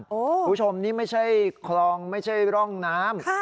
คุณผู้ชมนี่ไม่ใช่คลองไม่ใช่ร่องน้ำ